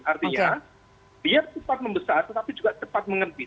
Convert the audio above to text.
artinya biar cepat membesar tetapi juga cepat mengerti